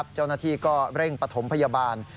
เจ้าหน้าที่ก็เร่งปฐมพยาบาล